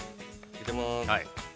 ◆入れます。